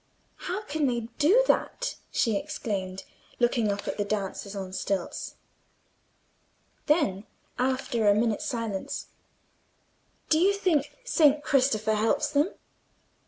"How can they do that?" she exclaimed, looking up at the dancers on stilts. Then, after a minute's silence, "Do you think Saint Christopher helps them?"